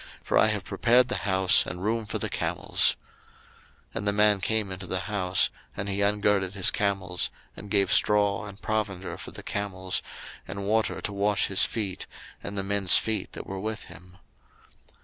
for I have prepared the house, and room for the camels. 01:024:032 And the man came into the house: and he ungirded his camels, and gave straw and provender for the camels, and water to wash his feet, and the men's feet that were with him.